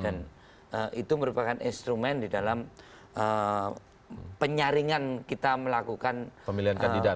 dan itu merupakan instrumen di dalam penyaringan kita melakukan pemilihan kandidat